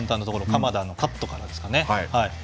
鎌田のカットからですね。